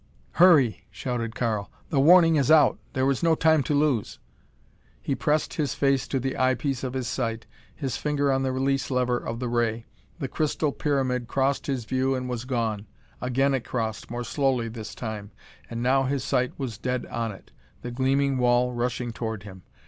"Hurry!" shouted Karl. "The warning is out! There is no time to lose!" He pressed his face to the eye piece of his sight, his finger on the release lever of the ray. The crystal pyramid crossed his view and was gone. Again it crossed, more slowly this time. And now his sight was dead on it, the gleaming wall rushing toward him.